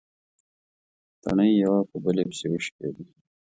تڼۍ يوه په بلې پسې وشکېدې.